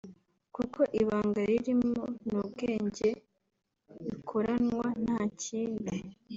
kuko ibanga ririmo ni ubwenge bikoranwa nta kindi